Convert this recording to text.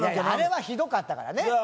あれはひどかったからね。